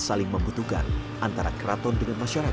saling membutuhkan antara keraton dengan masyarakat